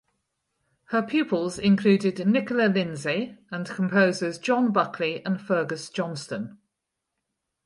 Her pupils included Nicola Lindsay and composers John Buckley and Fergus Johnston.